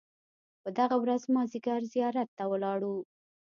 په دغه ورځ مازیګر زیارت ته ولاړو.